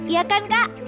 ya kan kak